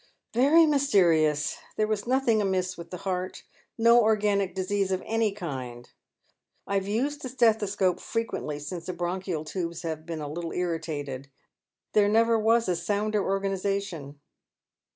" Very mysterious. There was nothing amiss with the heart ; no organic disease of any kind. I have used the stethoscope frequently since the bronchial tubes have been a little irritated. There never was a sounder organization."